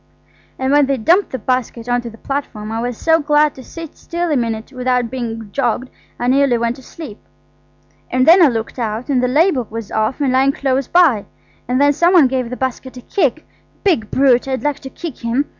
"And when they dumped the basket on to the platform I was so glad to sit still a minute without being jogged I nearly went to sleep. And then I looked out, and the label was off, and lying close by. And then some one gave the basket a kick–big brute, I'd like to kick him!